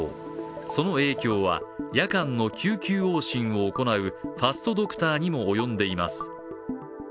その影響は、夜間の救急往診を行うファストドクターにも及んでいます。